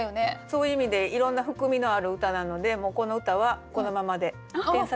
そういう意味でいろんな含みのある歌なのでもうこの歌はこのままで添削なしでいきたいと思います。